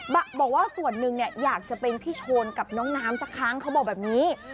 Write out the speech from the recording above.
บอกว่าส่วนหนึ่งเนี่ยอยากจะเป็นพี่โชนกับน้องน้ำสักครั้งเขาบอกแบบนี้